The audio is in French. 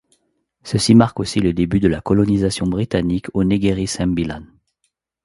Ceci marque aussi le début de la colonisation britannique au Negeri Sembilan.